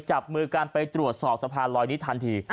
จับมือกันไปตรวจสอบสะพานลอยนี้ทันที